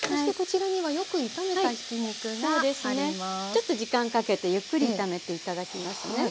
ちょっと時間かけてゆっくり炒めて頂きますね。